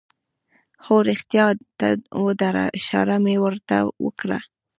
هو، رښتیا ته ودره، اشاره مې ور ته وکړه.